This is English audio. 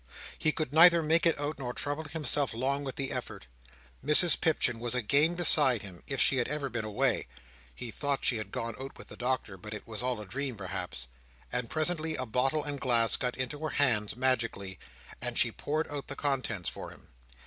He could neither make it out, nor trouble himself long with the effort. Mrs Pipchin was again beside him, if she had ever been away (he thought she had gone out with the Doctor, but it was all a dream perhaps), and presently a bottle and glass got into her hands magically, and she poured out the contents for him.